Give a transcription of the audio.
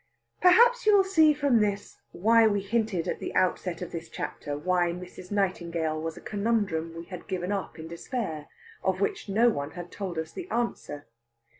Perhaps you will see from this why we hinted at the outset of this chapter why Mrs. Nightingale was a conundrum we had given up in despair, of which no one had told us the answer.